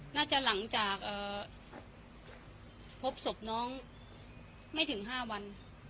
น่าจะหลังจากพบศพน้องไม่ถึง๕วัน